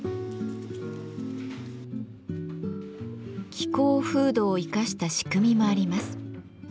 気候風土を生かした仕組みもあります。